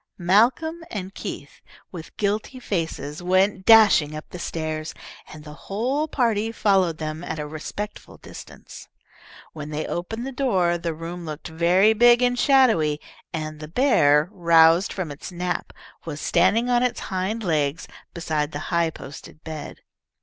Malcolm and Keith, with guilty faces, went dashing up the stairs, and the whole party followed them at a respectful distance. When they opened the door the room looked very big and shadowy, and the bear, roused from its nap, was standing on its hind legs beside the high posted bed.